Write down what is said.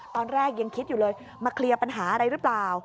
ตอนแรกยังคิดอยู่เลยมาเคลียร์ปัญหาอะไรหรือเปล่า